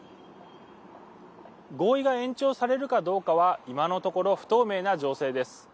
合意が延長されるかどうかは今のところ不透明な情勢です。